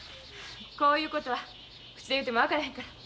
こういうことは口で言うても分からへんから。